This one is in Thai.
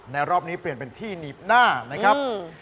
รอบนี้เปลี่ยนเป็นที่หนีบหน้านะครับ